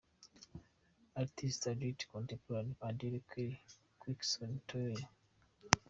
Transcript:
Artist, adult contemporary: Adele, Kelly Clarkson, Train.